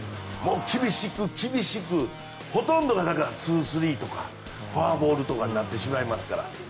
厳しく、厳しくほとんどが２−３とかフォアボールとかになってしまいますから。